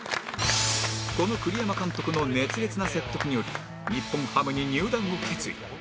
この栗山監督の熱烈な説得により日本ハムに入団を決意